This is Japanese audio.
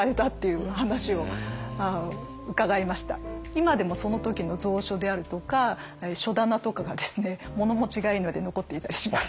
今でもその時の蔵書であるとか書棚とかがですね物持ちがいいので残っていたりします。